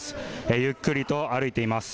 ゆっくりと歩いています。